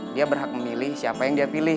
dia berhak memilih siapa yang dia pilih